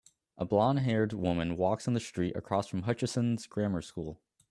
A blondhaired woman walks in the street across from Hutchesons Grammar School